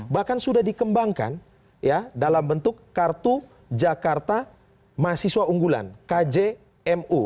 bahkan sudah dikembangkan dalam bentuk kartu jakarta mahasiswa unggulan kjmu